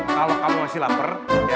kalau kamu masih lapar